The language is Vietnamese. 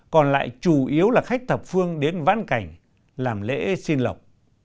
còn lại chủ yếu là khách thập phương đến ván cảnh làm lễ xin lọc